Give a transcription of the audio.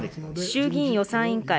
衆議院予算委員会。